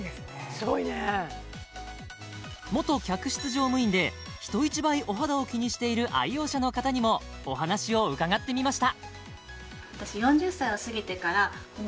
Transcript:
すごいね元客室乗務員で人一倍お肌を気にしている愛用者の方にもお話を伺ってみました